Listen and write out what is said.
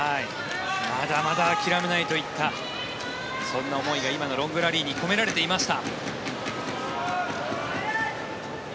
まだまだ諦めないといったそんな思いが今のロングラリーに込められていました。